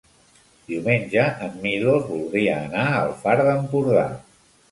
Diumenge en Milos voldria anar al Far d'Empordà.